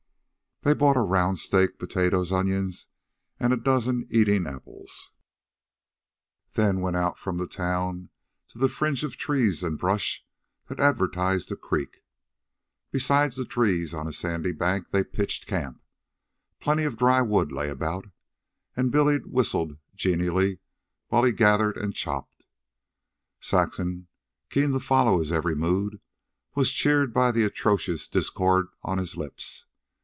They bought a round steak, potatoes, onions, and a dozen eating apples, then went out from the town to the fringe of trees and brush that advertised a creek. Beside the trees, on a sand bank, they pitched camp. Plenty of dry wood lay about, and Billy whistled genially while he gathered and chopped. Saxon, keen to follow his every mood, was cheered by the atrocious discord on his lips.